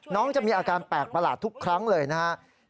น้องจะมีอาการแปลกประหลาดทุกครั้งเลยนะครับ